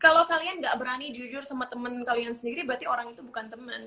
kalau kalian gak berani jujur sama temen kalian sendiri berarti orang itu bukan teman